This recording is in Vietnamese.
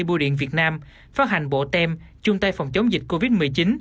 bưu điện việt nam phát hành bộ tem chung tay phòng chống dịch covid một mươi chín